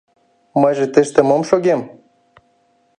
— Мыйже тыште мом шогем?